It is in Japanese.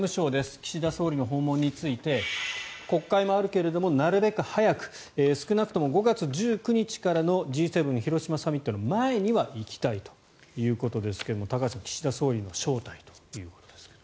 岸田総理の訪問について国会もあるけれどもなるべく早く少なくとも５月１９日からのＧ７広島サミットの前には行きたいということですが高橋さん、岸田総理の招待ということですが。